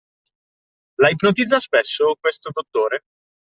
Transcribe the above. La ipnotizza spesso, questo dottore?